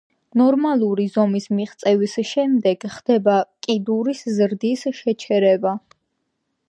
ნორმალური ზომის მიღწევის შემდეგ ხდება კიდურის ზრდის შეჩერება.